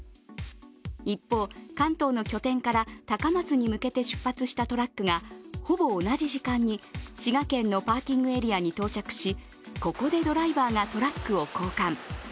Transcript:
一方、関東の拠点から高松に向けて出発したトラックがほぼ同じ時間に滋賀県のパーキングエリアに到着し、ここでドライバーがトラックを交換。